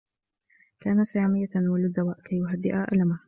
كان سامي يتناول الدّواء كي يهدّء ألمه.